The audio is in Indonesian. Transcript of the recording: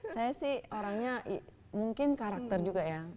saya sih orangnya mungkin karakter juga ya